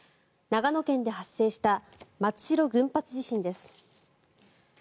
長野県で発生した松代群発地震です。